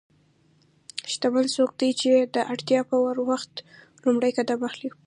شتمن څوک دی چې د اړتیا پر وخت لومړی قدم اخلي.